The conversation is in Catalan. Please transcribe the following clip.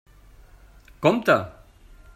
Compte.